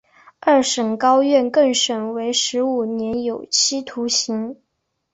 二审高院更审为十五年有期徒刑。